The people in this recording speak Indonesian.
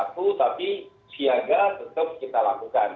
tetapi siaga tetap kita lakukan